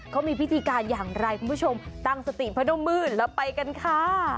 เขามีพิธีการอย่างไรคุณผู้ชมตั้งสติพระนมมืดแล้วไปกันค่ะ